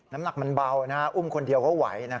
น้ำหนักมันเบาอุ้มคนเดียวเขาไหว